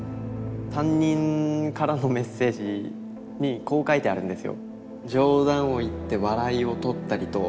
担任からのメッセージにこう書いてあるんですよ。